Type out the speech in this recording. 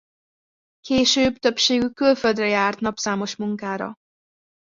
Később többségük külföldre járt napszámos munkákra.